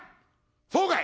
「そうかい。